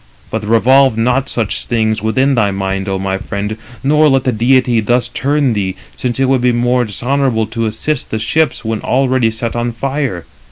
But revolve not such things within thy mind, O my friend, nor let the deity 328 thus turn thee, since it would be more dishonourable to assist the ships [when already] set on fire.